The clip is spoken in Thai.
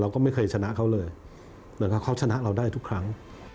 ก็ไม่เคยชนะเขาเลยนะครับเขาชนะเราได้ทุกครั้ง